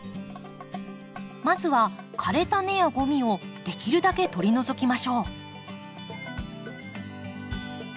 まずは枯れた根やゴミをできるだけ取り除きましょう。